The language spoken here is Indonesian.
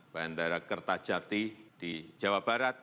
bandara kerta jati di jawa barat